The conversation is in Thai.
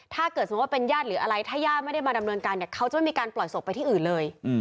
ถ้าเกิดสมมุติว่าเป็นญาติหรืออะไรถ้าย่าไม่ได้มาดำเนินการเนี่ยเขาจะไม่มีการปล่อยศพไปที่อื่นเลย